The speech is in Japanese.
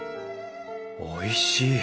おいしい。